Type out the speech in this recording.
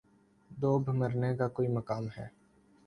دوب مرنے کا کوئی مقام ہے